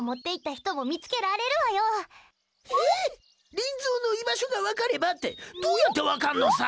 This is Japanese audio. リンゾーの居場所が分かればってどうやって分かるのさ？